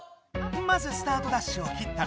まずスタートダッシュを切ったのは。